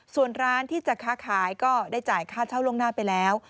ส่วนร้านที่จะค้าขายก็ได้จ่ายค่าเช่าล่วงหน้าไปแล้ว